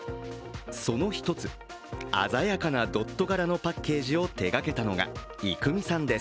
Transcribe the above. その一つ、鮮やかなドット柄のパッケージを手がけたのが郁美さんです。